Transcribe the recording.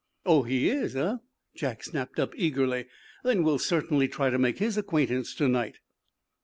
"Oh, he is, eh?" Jack snapped up, eagerly. "Then we'll certainly try to make his acquaintance to night."